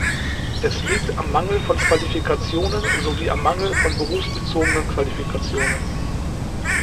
Es liegt am Mangel von Qualifikationen sowie am Mangel von berufsbezogenen Qualifikationen.